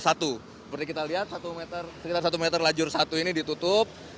seperti kita lihat sekitar satu meter lajur satu ini ditutup